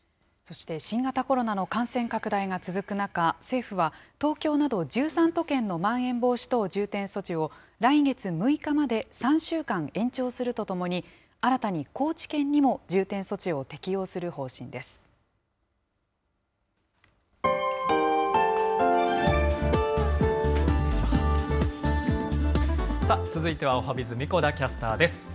そして新型コロナの感染拡大が続く中、政府は、東京など１３都県のまん延防止等重点措置を、来月６日まで３週間延長するとともに、新たに高知県にも重点措置を適用する方針です。